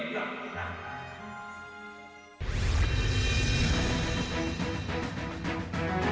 hanya hukum bahagia